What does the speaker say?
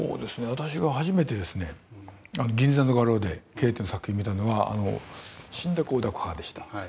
私が初めて銀座の画廊でケーテの作品を見たのは「死んだ子を抱く母」でした。